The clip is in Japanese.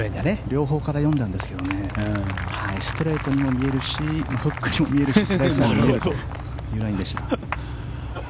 両方から読んだんですけどストレートにも見えるしフックにも見えるしスライスにも見えるというラインでした。